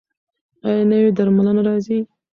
ایا نوې درملنه راځي؟